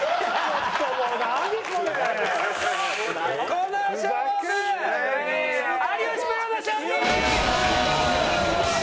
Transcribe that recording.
この勝負有吉プロの勝利！